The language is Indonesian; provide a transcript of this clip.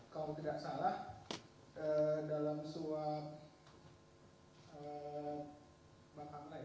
kalau tidak salah dalam suap batamla ya